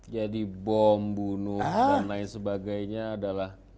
jadi bom bunuh dan lain sebagainya adalah